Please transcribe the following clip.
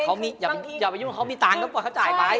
เขาอย่าไปยุ่งเขามีตังค์ก็ปล่อยเขาจ่ายไป